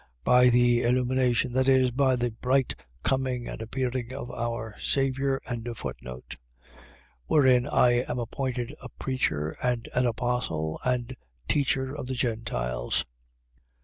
By the illumination. . .That is, by the bright coming and appearing of our Saviour. 1:11. Wherein I am appointed a preacher and an apostle and teacher of the Gentiles.